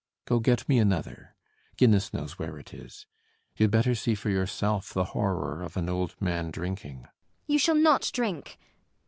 Go get me another: Guinness knows where it is. You had better see for yourself the horror of an old man drinking. ELLIE. You shall not drink.